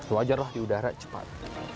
wajar lah di udara cepat